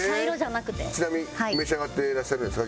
ちなみに召し上がっていらっしゃるんですか？